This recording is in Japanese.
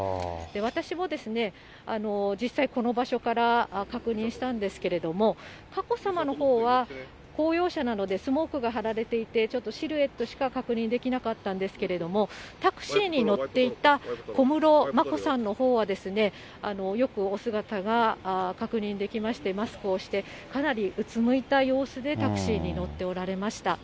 私も実際この場所から確認したんですけれども、佳子さまのほうは公用車なので、スモークが貼られていて、ちょっとシルエットしか確認できなかったんですけれども、タクシーに乗っていた小室眞子さんのほうはよくお姿が確認できまして、マスクをして、かなりうつむいた様子で、タクシーに乗っておられました。